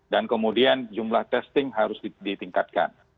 dan kemudian jumlah testing harus ditingkatkan